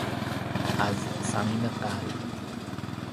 از صمیم قلب